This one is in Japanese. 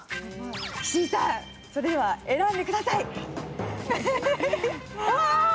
岸井さん、それでは選んでください。